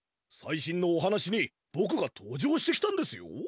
さい新のお話にぼくが登場してきたんですよ！